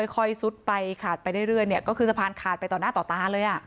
ซุดไปขาดไปเรื่อยก็คือสะพานขาดไปต่อหน้าต่อตาเลย